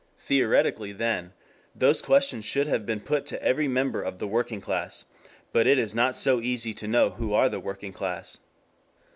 Theoretically, then, those questions should have been put to every member of the working class. But it is not so easy to know who are the working class.